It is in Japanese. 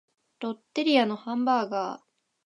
ロッテリアのハンバーガー